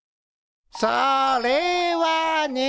それはね。